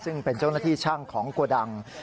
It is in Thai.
ซึ่งเป็นเจ้าหน้าที่ช่างของโกดัง